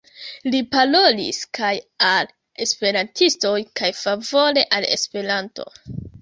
Li parolis kaj al Esperantistoj kaj favore al Esperanto.